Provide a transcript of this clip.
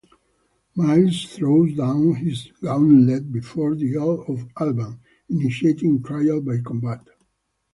Myles throws down his gauntlet before the Earl of Alban, initiating trial by combat.